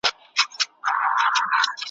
شاوخوا پر طبیبانو ګرځېدله ,